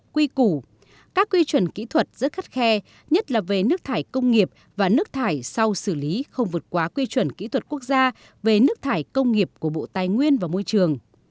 quy củ các quy chuẩn kỹ thuật rất khắt khe nhất là về nước thải công nghiệp và nước thải sau xử lý không vượt quá quy chuẩn kỹ thuật quốc gia về nước thải công nghiệp của bộ tài nguyên và môi trường